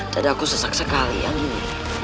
tadaku sesak sekali anggini